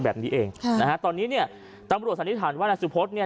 แบบนี้เองค่ะนะฮะตอนนี้เนี่ยตำรวจสันนิษฐานว่านายสุพธเนี่ย